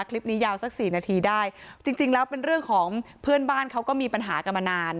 คลิปนี้ยาวสักสี่นาทีได้จริงจริงแล้วเป็นเรื่องของเพื่อนบ้านเขาก็มีปัญหากันมานาน